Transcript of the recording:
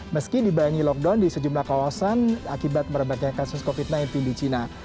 meski dibayangi lockdown di sejumlah kawasan akibat merebaknya kasus covid sembilan belas di cina